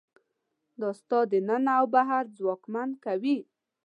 دا ستا دننه او بهر ځواکمن کوي.